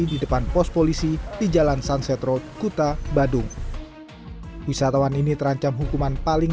di depan pos polisi di jalan sunsetrold kuta badung wisatawan ini terancam hukuman paling